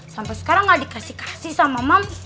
sampai sekarang nggak dikasih kasih sama mams